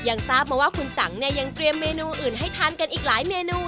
ทราบมาว่าคุณจังเนี่ยยังเตรียมเมนูอื่นให้ทานกันอีกหลายเมนู